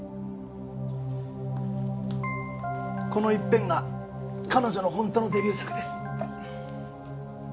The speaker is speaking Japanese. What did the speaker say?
この一編が彼女の本当のデビュー作です。